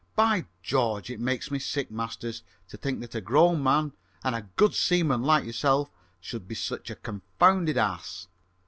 By George, it makes me sick, Masters, to think that a grown man and a good seaman like yourself should be such a confounded ass!"